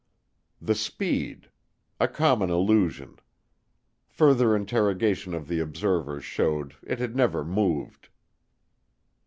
The speed a common illusion. Further interrogation of the observers showed it had never moved.